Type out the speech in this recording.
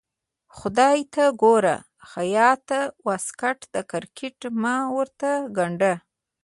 خدای ته ګوره خياطه واسکټ د کرکټ مه ورته ګنډه.